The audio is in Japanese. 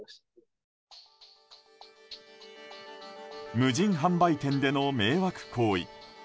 無人販売店での迷惑行為。